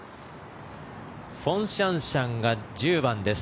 フォン・シャンシャンが１０番です。